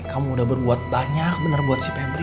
kamu udah berbuat banyak bener buat si febri